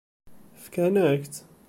Fkan-ak-tt?